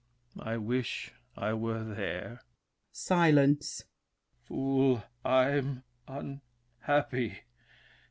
I wish I were there! [Silence. Fool, I'm unhappy!